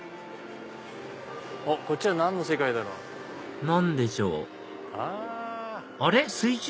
こっちは何の世界だろう？何でしょう？